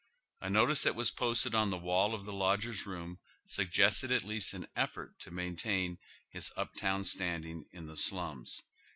A notice that was posted on the wall of the lodgers' room snggested at least an efEort to maintain hie up town standing in the alums.